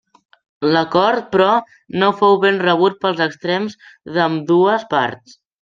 L'acord, però, no fou ben rebut pels extrems d'ambdues parts.